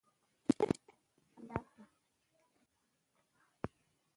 د یتیم د ژړولو ځوانان ډیر دي